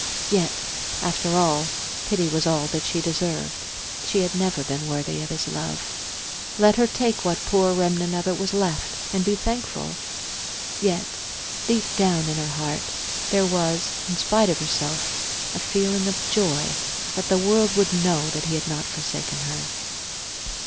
Yet, after all, pity was all that she deserved; she had never been worthy of his love. Let her take what poor remnant of it was left and be thankful. Yet deep down in her heart, there was, in spite of herself, a feeling of joy that the world would know that he had not forsaken her.